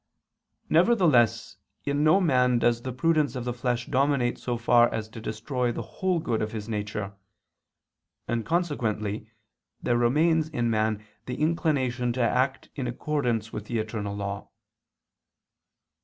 Nevertheless in no man does the prudence of the flesh dominate so far as to destroy the whole good of his nature: and consequently there remains in man the inclination to act in accordance with the eternal law.